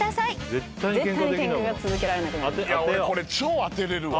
俺これ超当てられるわ。